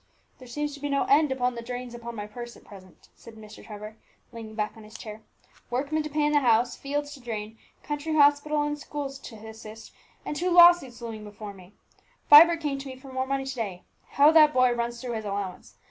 "There seems to be no end to the drains upon my purse at present," said Mr. Trevor, leaning back on his chair; "workmen to pay in the house, fields to drain, county hospital and schools to assist, and two law suits looming before me! Vibert came to me for more money to day. How that boy runs through his allowance!